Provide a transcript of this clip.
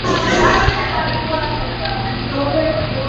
შემორჩენილია ამ ადგილის დასახელება „ხატის საყდარი“.